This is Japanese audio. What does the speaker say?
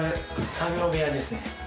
作業部屋ですね。